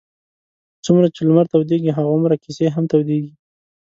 څومره چې لمر تودېږي هغومره کیسې هم تودېږي.